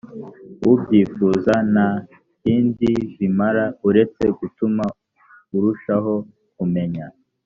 ubyifuza nta kindi bimara uretse gutuma urushaho kumenya